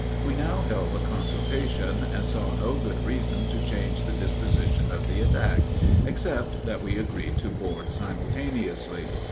We now held a consultation, and saw no good reason to change the disposition of the attack, except that we agreed to board simultaneously.